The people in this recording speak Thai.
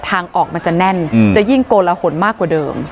ทางออกมันจะแน่นจะยิ่งโกลหนมากกว่าเดิม